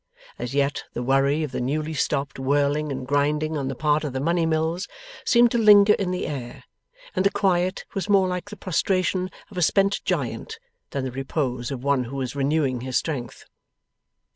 As yet the worry of the newly stopped whirling and grinding on the part of the money mills seemed to linger in the air, and the quiet was more like the prostration of a spent giant than the repose of one who was renewing his strength.